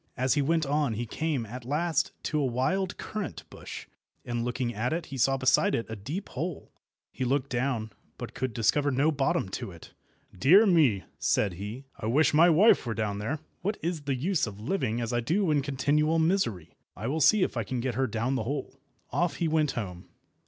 As he went on he came at last to a wild currant bush, and looking at it he saw beside it a deep hole. He looked down, but could discover no bottom to it. "Dear me!" said he, "I wish my wife were down there! What is the use of living as I do in continual misery? I will see if I can get her down the hole." Off he went home.